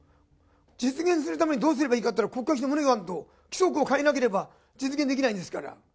実現するためにどうすればいいかってのは、国会で物言わんと、規則を変えなければ実現できないんですから。